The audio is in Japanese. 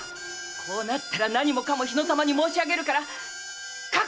こうなったら何もかも日野様に申し上げるから覚悟しやがれ！